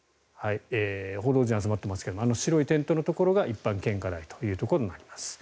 報道陣、集まっていますが白いテントのところが一般献花台となります。